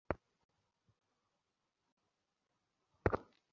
তবে ব্যক্তিগত বিদ্রোহের কারণেও সে এটা করতে পারে।